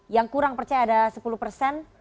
yang kurang percaya ada sepuluh persen